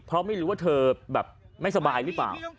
เพราะไม่รู้ว่าเธอแบบไม่สบายหรือเปล่า